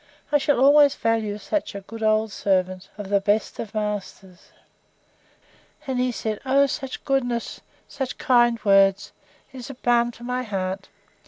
—I shall always value such a good old servant of the best of masters!—He said, O such goodness! Such kind words! It is balm to my heart!